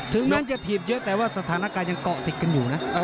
แม้จะถีบเยอะแต่ว่าสถานการณ์ยังเกาะติดกันอยู่นะ